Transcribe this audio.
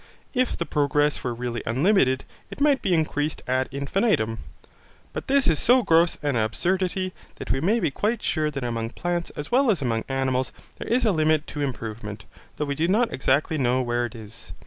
If the progress were really unlimited it might be increased ad infinitum, but this is so gross an absurdity that we may be quite sure that among plants as well as among animals there is a limit to improvement, though we do not exactly know where it is.